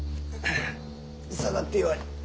下がってよい。